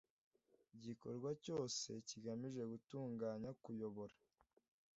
gikorwa cyose kigamije gutunganya kuyobora